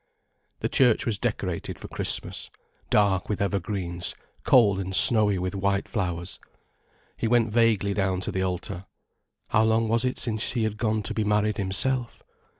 The church was decorated for Christmas, dark with evergreens, cold and snowy with white flowers. He went vaguely down to the altar. How long was it since he had gone to be married himself?